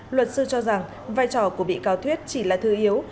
luật sư cho rằng vai trò của bị cáo thuyết chỉ là thư yếu